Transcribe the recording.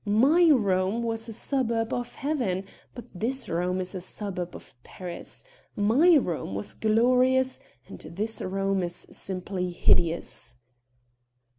My Rome was a suburb of Heaven, but this Rome is a suburb of Paris. My Rome was glorious and this Rome is simply hideous."